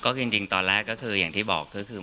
ก็จริงตอนแรกก็คืออย่างที่บอก